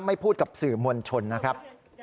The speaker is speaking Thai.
พูดกับสื่อมวลชนนะครับ